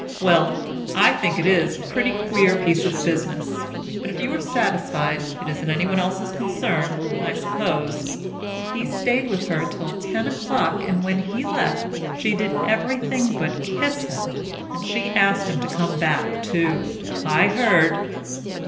"Well, I think it is a pretty queer piece of business. But if you are satisfied, it isn't anyone else's concern, I suppose. He stayed with her till ten o'clock and when he left she did everything but kiss him and she asked him to come back too. I heard."